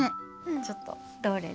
ちょっとどれどれ。